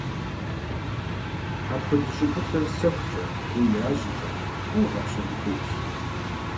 Апхуэдэ щӀыгулъыр сэхукӀэ е яжьэкӀэ фӀыуэ гъэпшэрын хуейщ.